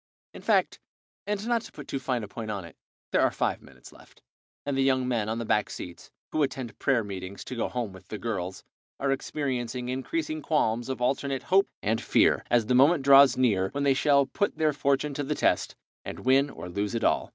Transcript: In fact, and not to put too fine a point upon it, there are five minutes left, and the young men on the back seats, who attend prayer meetings to go home with the girls, are experiencing increasing qualms of alternate hope and fear as the moment draws near when they shall put their fortune to the test, and win or lose it all.